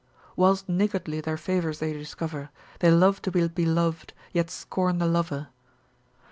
Whilst niggardly their favours they discover, They love to be belov'd, yet scorn the lover.